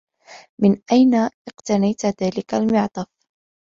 من أين اقتنيت ذلك المعطف؟